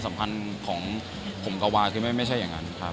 สำคัญของโขมกวาคือไม่ใช่อย่างนั้นครับ